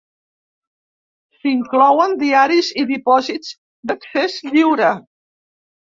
S'inclouen diaris i dipòsits d'accés lliure.